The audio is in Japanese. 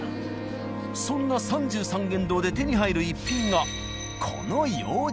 そんな三十三間堂で手に入る逸品がこの楊枝。